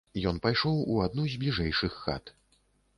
Ён пайшоў у адну з бліжэйшых хат.